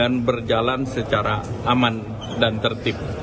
dan berjalan secara aman dan tertib